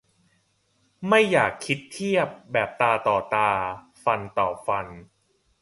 ไม่อยากคิดเทียบแบบตาต่อตาฟันต่อฟัน